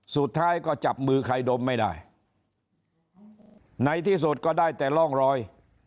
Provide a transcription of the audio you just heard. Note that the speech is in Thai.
สุดท้ายก็จับมือใครดมไม่ได้ในที่สุดก็ได้แต่ร่องรอย